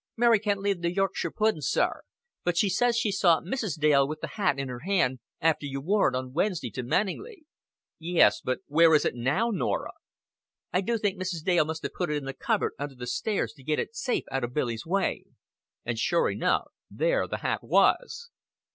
"Mary can't leave th' Yorkshire pudden, sir; but she says she saw Mrs. Dale with th' hat in her hand after you wore it on Wednesday to Manninglea." "Yes, but where is it now, Norah?" "I do think Mrs. Dale must have put it in the cupboard under the stairs to get it safe out of Billy's way." And sure enough there the hat was.